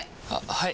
はい。